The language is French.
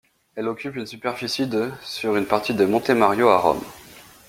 Elle occupe une superficie de sur une partie de Monte Mario à Rome.